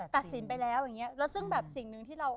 ตัดสินไปแล้วอย่างเงี้ยแล้วซึ่งแบบสิ่งหนึ่งที่เรา